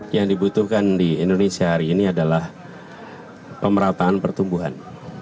yang dibutuhkan di indonesia hari ini adalah pemerataan pertumbuhan